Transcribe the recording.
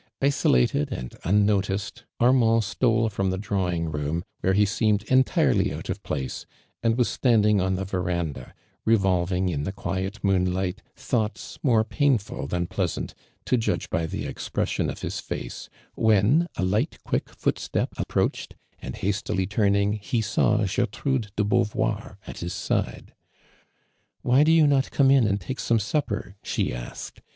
Isolated and un ; noticed, Avinand stole from the drawing room, where he seemed entirely out of place, and was standing on the verandah, revolving in the quiet moonlight, thought"^ more painful than pleasant, to judge by the expression of his face, when a light, quick footstep approached, and hastily turning, he saw Gertrude de Beauvoir at his .side. "'• Why do you not come in and take some supper?" she asked.